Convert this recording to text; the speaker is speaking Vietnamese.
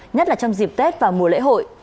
nhất là trong dịp tết và mùa lễ hội